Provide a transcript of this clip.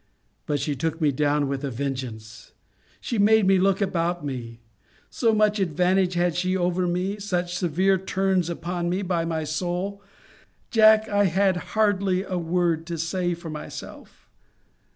But she took me down with a vengeance! She made me look about me. So much advantage had she over me; such severe turns upon me; by my soul, Jack, I had hardly a word to say for myself.